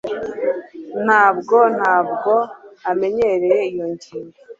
ntabwo ntabwo amenyereye iyo ngingo